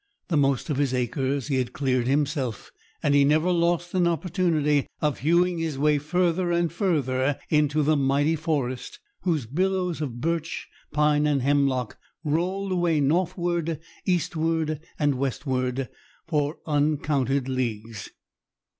The most of his acres he had cleared himself, and he never lost an opportunity of hewing his way further and further into the mighty forest, whose billows of birch, pine, and hemlock rolled away northward, eastward, and westward for uncounted leagues.